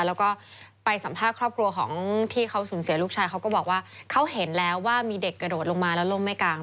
แล้วก็ไปสัมภาษณ์ครอบครัวของที่เขาสูญเสียลูกชายเขาก็บอกว่าเขาเห็นแล้วว่ามีเด็กกระโดดลงมาแล้วล่มไม่กลาง